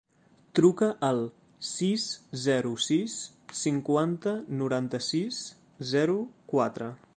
Truca al sis, zero, sis, cinquanta, noranta-sis, zero, quatre.